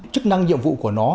chức năng nhiệm vụ của nó